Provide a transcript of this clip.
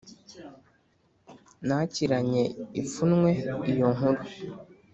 nakiranye ipfunwe iyo nkuru,